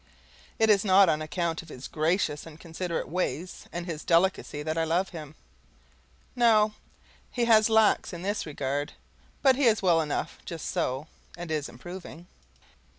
It is not on account of his gracious and considerate ways and his delicacy that I love him. No, he has lacks in this regard, but he is well enough just so, and is improving.